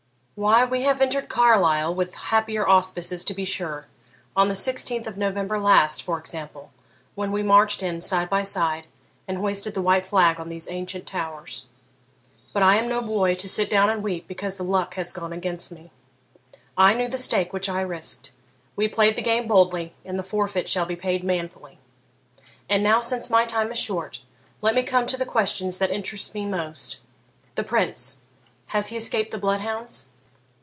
'Why, we have entered Carlisle with happier auspices, to be sure; on the 16th of November last, for example, when we marched in side by side, and hoisted the white flag on these ancient towers. But I am no boy, to sit down and weep because the luck has gone against me. I knew the stake which I risked; we played the game boldly and the forfeit shall be paid manfully. And now, since my time is short, let me come to the questions that interest me most the Prince? has he escaped the bloodhounds?'